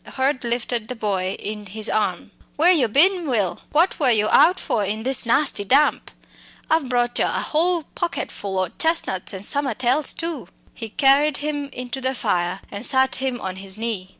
Hurd lifted the boy in his arm. "Where you bin, Will? What were yo out for in this nasty damp? I've brought yo a whole pocket full o' chestnuts, and summat else too." He carried him in to the fire and sat him on his knees.